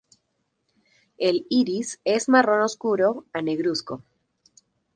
El iris es marrón oscuro a negruzco.